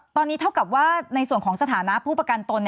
ตอนนี้เท่ากับว่าในส่วนของสถานะผู้ประกันตน